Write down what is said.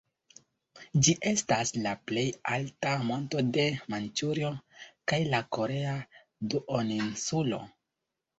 Ĝi estas la plej alta monto de Manĉurio kaj la Korea duoninsulo.